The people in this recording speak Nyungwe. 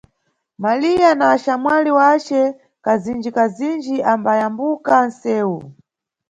Maliya na axamwali wace kazinjikazinji ambayambuka nʼsewu.